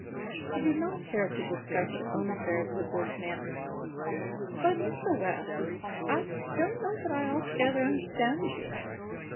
She did not care to discuss her own affairs with this man. "But, Mr. West, I don't know that I altogether understand you.